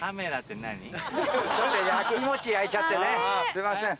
すいません。